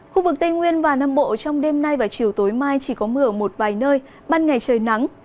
khu vực tây nguyên và nam bộ trong đêm nay và chiều tối mai chỉ có mưa ở một vài nơi ban ngày trời nắng